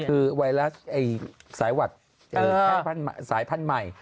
คือไวรัสสายหวัดสายพันธุ์ใหม่